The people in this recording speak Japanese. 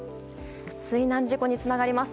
水難事故につながります。